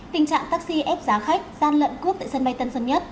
tình trạng taxi ép giá khách gian lận cước tại sân bay tân sơn nhất